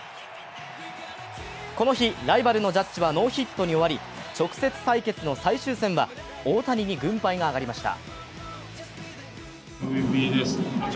この日、ライバルのジャッジはノーヒットに終わり直接対決の最終戦は大谷に軍配があがりました。